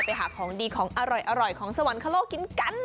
ไปหาของดีของอร่อยของสวรรคโลกกินกัน